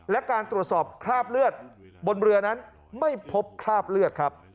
และการตรวจสอบคราบเลือดบนเรือนั้นไม่พบคราบเลือดครับ